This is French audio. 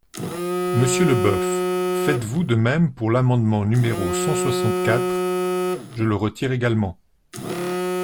Monsieur Leboeuf, faites-vous de même pour l’amendement numéro cent soixante-quatre ? Je le retire également.